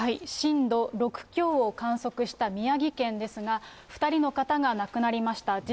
震度６強を観測した宮城県ですが、２人の方が亡くなりました。